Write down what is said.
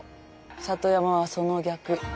里山はその逆。